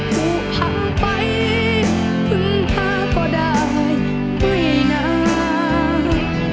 ผูกพันไปพึ่งพาก็ได้ไม่นาน